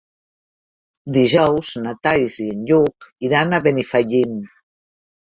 Dijous na Thaís i en Lluc iran a Benifallim.